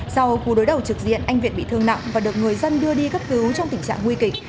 sau cú đối đầu trực diện anh viện bị thương nặng và được người dân đưa đi cấp cứu trong tình trạng nguy kịch